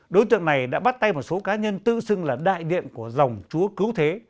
đối tượng này đã bắt tay một số cá nhân tự xưng là đại điện của dòng chúa cứu thế